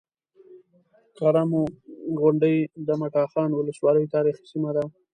کرمو غونډۍ د مټاخان ولسوالۍ تاريخي سيمه ده